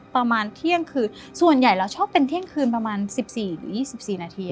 ประมาณเที่ยงคืนส่วนใหญ่เราชอบเป็นเที่ยงคืนประมาณ๑๔หรือ๒๔นาที